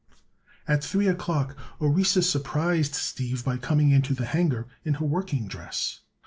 At three o'clock Orissa surprised Steve by coming into the hangar in her working dress.